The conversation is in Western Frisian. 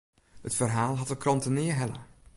It ferhaal hat de krante nea helle.